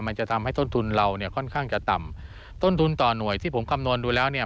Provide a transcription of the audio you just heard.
มันจะทำให้ต้นทุนเราเนี่ยค่อนข้างจะต่ำต้นทุนต่อหน่วยที่ผมคำนวณดูแล้วเนี่ย